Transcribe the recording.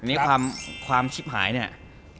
นี่ความชิบหายเนี่ย